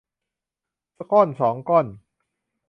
ก้อนสองก้อน